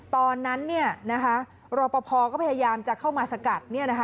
ตอนนั้นรอปภก็พยายามจะเข้ามาสกัด